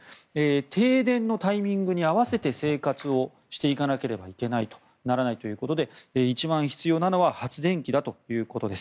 停電のタイミングに合わせて生活をしていかなければならないということで一番必要なのは発電機だということです。